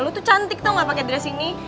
lu tuh cantik tau gak pakai dress ini